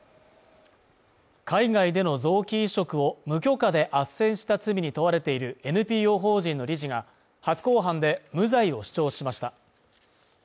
海外での臓器移植を無許可であっせんした罪に問われているＮＰＯ法人の理事が初公判で無罪を主張しました。